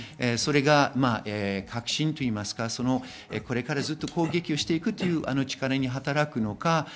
それが革新というか、これからずっと攻撃をしていく力に働くのか。